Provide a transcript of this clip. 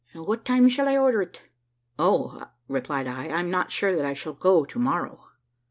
At what time shall I order it?' "`Oh,' replied I, `I am not sure that I shall go to morrow.'